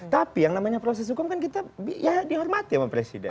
tapi yang namanya proses hukum kan kita ya dihormati sama presiden